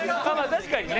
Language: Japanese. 確かにね。